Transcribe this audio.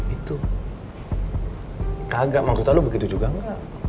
itu kagak maksud lo begitu juga gak